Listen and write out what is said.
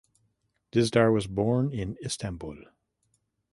Dizdar was born in Istanbul.